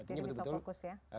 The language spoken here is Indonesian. jadi bisa fokus ya